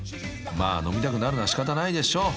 ［まあ飲みたくなるのは仕方ないでしょう］